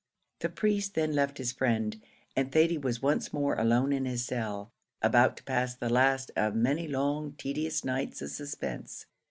The priest then left his friend, and Thady was once more alone in his cell, about to pass the last of many long, tedious nights of suspense.